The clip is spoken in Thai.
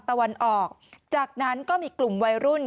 ตะวันออกจากนั้นก็มีกลุ่มวัยรุ่น